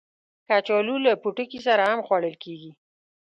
کچالو له پوټکي سره هم خوړل کېږي